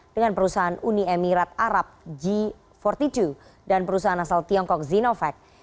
dengan perusahaan uni emirat arab g empat puluh dua dan perusahaan asal tiongkok zinovac